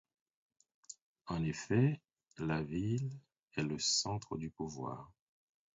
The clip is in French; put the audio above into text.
En effet, la ville est le centre du pouvoir.